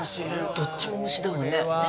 どっちも虫だわね。